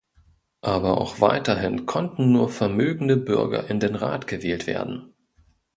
Aber auch weiterhin konnten nur vermögende Bürger in den Rat gewählt werden.